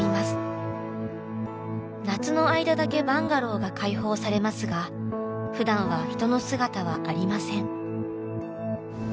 夏の間だけバンガローが開放されますが普段は人の姿はありません。